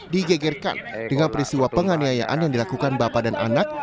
digegerkan dengan peristiwa penganiayaan yang dilakukan bapak dan anak